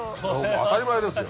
当たり前ですよ。